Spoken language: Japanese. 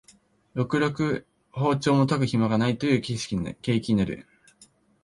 ろくろく庖丁も研ぐひまがないという景気になる